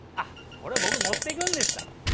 これ僕持っていくんでした。